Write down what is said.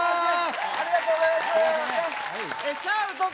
ありがとうございますシャウト！！